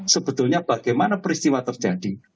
sebetulnya bagaimana peristiwa terjadi